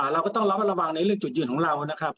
เราก็ต้องรับประวังในเรื่องจุดยืนของเรา